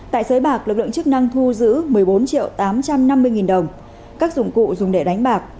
tại sới bạc lực lượng chức năng thu giữ một mươi bốn triệu tám trăm năm mươi nghìn đồng các dụng cụ dùng để đánh bạc